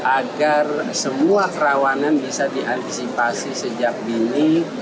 agar semua kerawanan bisa diantisipasi sejak dini